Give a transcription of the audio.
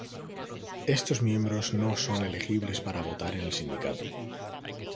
Estos miembros no son elegibles para votar en el sindicato.